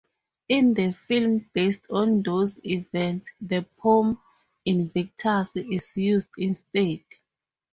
In the film based on those events, the poem "Invictus" is used instead.